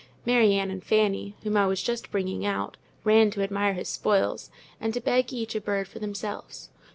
Mary Ann and Fanny, whom I was just bringing out, ran to admire his spoils, and to beg each a bird for themselves.